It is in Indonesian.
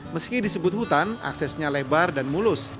meski disebut hutan aksesnya lebar dan mulus